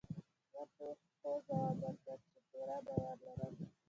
ما په هوځواب ورکړ، چي پوره باور لرم.